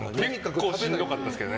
結構しんどかったですけど。